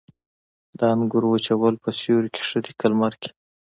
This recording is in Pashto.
د انګورو وچول په سیوري کې ښه دي که لمر کې؟